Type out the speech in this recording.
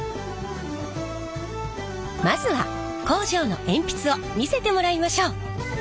まずは工場の鉛筆を見せてもらいましょう！